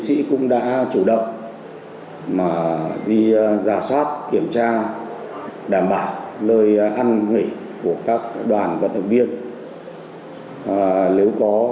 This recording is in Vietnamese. sĩ cũng đã chủ động đi giả soát kiểm tra đảm bảo nơi ăn nghỉ của các đoàn vận động viên nếu có